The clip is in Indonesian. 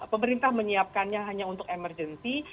pemerintah menyiapkannya hanya untuk emergency